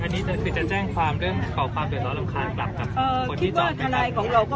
เอ่อที่จอดเนี้ย